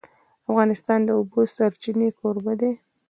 افغانستان د د اوبو سرچینې کوربه دی.